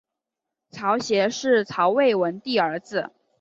曹协是曹魏文帝儿子。